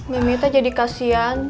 memi tuh udah jadi kasihan